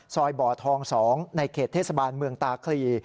บ่อทอง๒ในเขตเทศบาลเมืองตาคลี